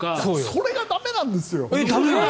それが駄目なんですよ！